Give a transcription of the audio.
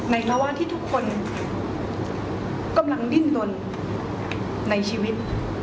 ภาวะที่ทุกคนกำลังดิ้นลนในชีวิต